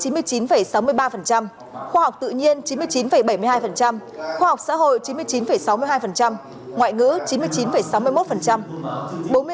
môn ngữ chín mươi chín sáu mươi ba khoa học tự nhiên chín mươi chín bảy mươi hai khoa học xã hội chín mươi chín sáu mươi hai ngoại ngữ chín mươi chín sáu mươi một